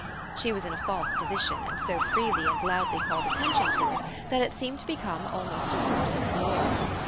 She was in a false position and so freely and loudly called attention to it that it seemed to become almost a source of glory.